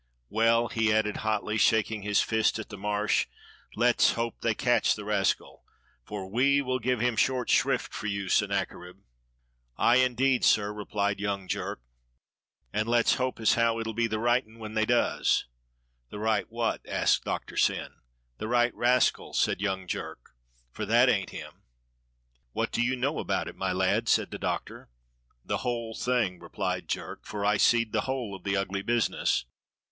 Well," he added hotly, shaking his fist across at the Marsh, "let's hope they catch the rascal, for we will give him short shrift for you, Sen nacherib." DOCTOR SYN GIVES SOME ADVICE 73 "Aye, indeed, sir," replied young Jerk, "and let's hope as how it'll be the right 'un when they does." "The right what?" asked Doctor Syn. "The right rascal," said young Jerk, "for that ain't him." "What do you know about it, my lad?" said the Doctor. "The whole thing," replied Jerk, "for I seed the whole of the ugly business.